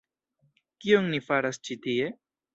Kion ni faras ĉi tie?